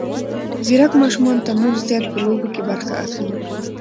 ځیرک ماشومان تر نورو زیات په لوبو کې برخه اخلي.